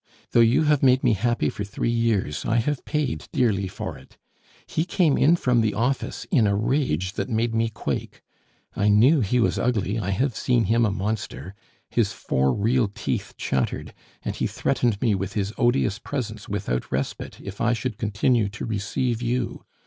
Though you have made me happy for three years, I have paid dearly for it! He came in from the office in a rage that made me quake. I knew he was ugly; I have seen him a monster! His four real teeth chattered, and he threatened me with his odious presence without respite if I should continue to receive you.